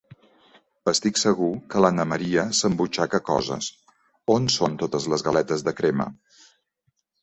Estic segur que l'Anna Maria s'embutxaca coses. On són totes les galetetes de crema?